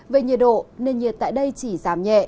về nhiệt độ nền nhiệt tại đây chỉ giảm nhẹ